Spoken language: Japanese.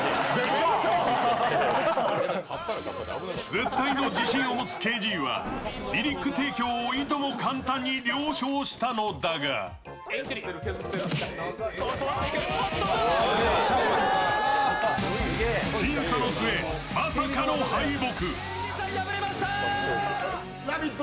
絶対の自信を持つＫＺはリリック提供をいとも簡単に了承したのだが僅差の末、まさかの敗北。